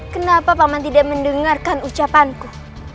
kenapa paman tidak mendengarkan ucapanku